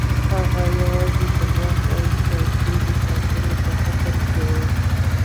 هغه یوازې د واک او څوکۍ د ساتنې په فکر کې وو.